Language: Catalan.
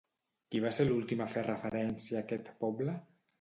Qui va ser l'últim a fer referència a aquest poble?